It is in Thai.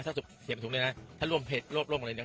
ถ้าเขียนถุงเลยนะถ้าร่วมเพจร่วมอะไรเนี่ย